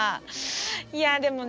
いやでもね